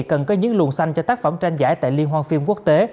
cần có những luồng xanh cho tác phẩm tranh giải tại liên hoan phim quốc tế